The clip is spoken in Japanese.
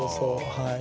はい。